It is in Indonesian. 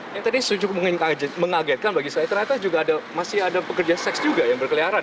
ini tadi sejumlah mengagetkan bagi saya ternyata juga masih ada pekerja seks juga yang berkeliaran